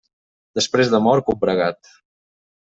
Després de mort, combregat.